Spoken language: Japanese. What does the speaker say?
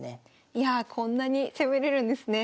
いやあこんなに攻めれるんですね。